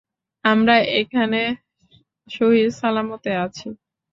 আমরা এখানে সহী সালামতে আছি।